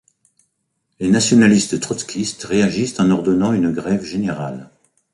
Les nationalistes trotskystes réagissent en ordonnant une grève générale.